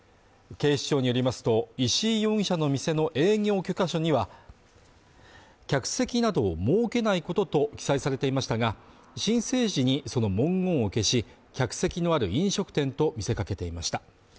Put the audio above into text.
都の協力金は、テイクアウト専門店は支給対象外で、警視庁によりますと、石井容疑者の店の営業許可書には、客席などを設けないことと記載されていましたが、申請時にその文言を消し客席のある飲食店と見せかけていました。